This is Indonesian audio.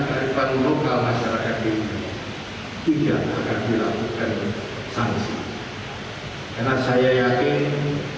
bahwa seluruh lapisan masyarakat ini